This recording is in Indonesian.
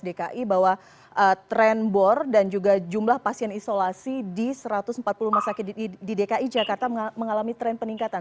dki bahwa tren bor dan juga jumlah pasien isolasi di satu ratus empat puluh rumah sakit di dki jakarta mengalami tren peningkatan